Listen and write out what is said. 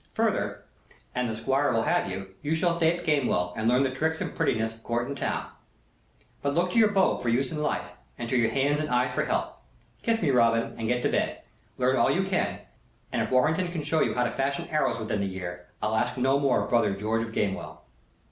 Further, an the Squire will have you, you shall stay at Gamewell and learn the tricks and prettinesses of Court and town. But look to your bow for use in life, and to your own hands and eyes for help. Kiss me, Robin, and get to bed. Learn all you can; and if Warrenton can show you how to fashion arrows within the year I'll ask no more of brother George of Gamewell."